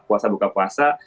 puasa buka puasa